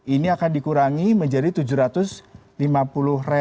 ini akan dikurangi menjadi rp tujuh ratus lima puluh